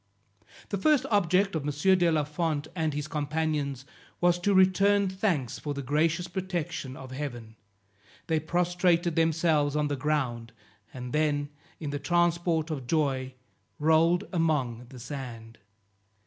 The first object of M. de la Fond and his companions was to return thanks for the gracious protection of Heaven; they prostrated themselves on the ground, and then in the transport of joy rolled among the sand.